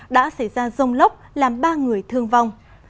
đã xảy ra rông lốc làm ba người thương vong